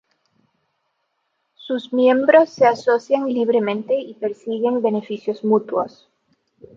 Sus miembros se asocian libremente y persiguen beneficios mutuos.